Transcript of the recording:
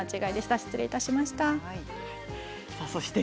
失礼いたしました。